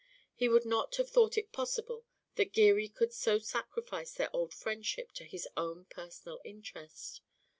He would not have thought it possible that Geary could so sacrifice their old friendship to his own personal interest.